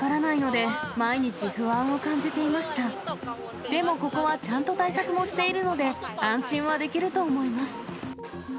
でもここはちゃんと対策もしているので、安心はできると思います。